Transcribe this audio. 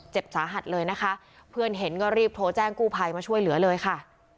สาหัสเลยนะคะเพื่อนเห็นก็รีบโทรแจ้งกู้ภัยมาช่วยเหลือเลยค่ะ